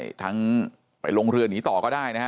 เขตชายแดนไปประเทศเพื่อนบ้านก็ยังไปได้เลย